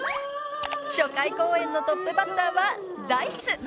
［初回公演のトップバッターはＤａ−ｉＣＥ］